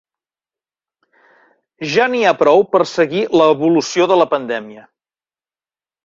Ja n'hi ha prou per seguir l'evolució de la pandèmia.